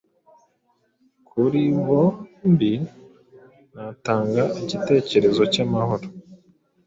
kuri bombinatanga igitekerezo cy amahoro